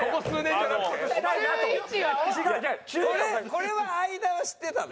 これは相田は知ってたの？